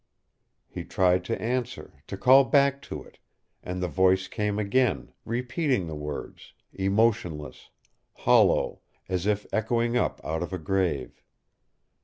He tried to answer, to call back to it, and the voice came again, repeating the words, emotionless, hollow, as if echoing up out of a grave.